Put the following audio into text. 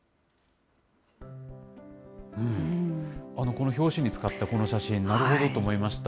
この表紙に使ったこの写真、なるほどと思いました。